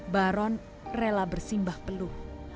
baron rela bersimbah peluh